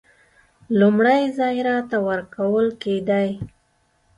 لومړی ځای راته ورکول کېدی.